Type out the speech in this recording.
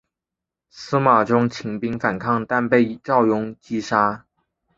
司马宗勒兵反抗但被赵胤击杀。